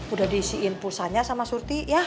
udah diisiin pulsanya sama surti ya